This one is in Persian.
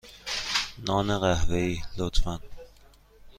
نان قهوه ای، لطفا.